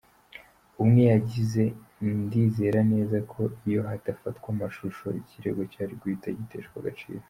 Umwe yagize“Ndizera neza ko iyo hadafatwa amashusho, ikirego cyari guhita giteshwa agaciro.